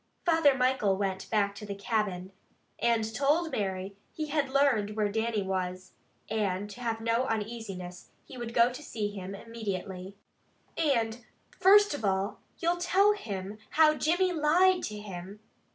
Father Michael went back to the cabin, and told Mary he had learned where Dannie was, and to have no uneasiness, and he would go to see him immediately. "And first of all you'll tell him how Jimmy lied to him?"